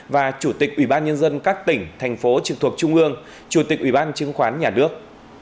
và chủ tịch ủy ban nhân dân các tỉnh thành phố trực thuộc trung ương chủ tịch ủy ban chứng khoán nhà nước